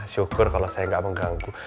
syukur kalau saya nggak mengganggu